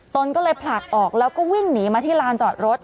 ตนก็เลยผลักออกแล้วก็วิ่งหนีมาที่ลานจอดรถ